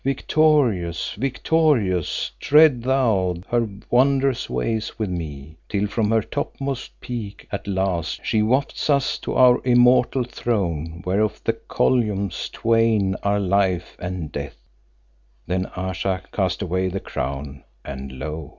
Victorious, victorious, tread thou her wondrous ways with me, till from her topmost peak at last she wafts us to our immortal throne whereof the columns twain are Life and Death." Then Ayesha cast away the crown and lo!